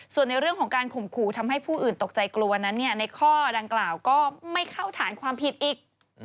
ส่วนในเรื่องของการข่มขู่ทำให้ผู้อื่นตกใจกลัวนั้นในข้อดังกล่าวก็ไม่เข้าฐานความผิดอีก